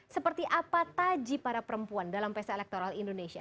seperti apa taji para perempuan dalam psa electoral indonesia